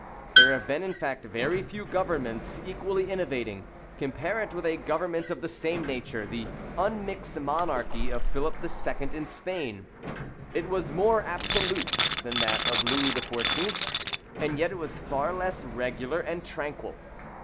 There have been in fact very few governments equally innovating. Compare it with a government of the same nature, the unmixed monarchy of Philip II. in Spain; it was more absolute than that of Louis XIV., and yet it was far less regular and tranquil.